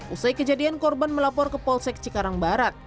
usai kejadian korban melapor ke polsek cikarang barat